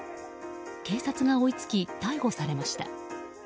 警察が追いつき、逮捕されました。